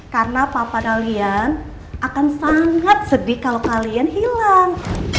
karena papa kalian akan sangat sedih kalau kalian hilang